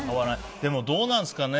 でも、どうなんですかね